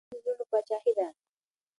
مهرباني د زړونو پاچاهي ده.